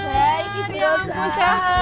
baik ibu rosa ya ampun cahat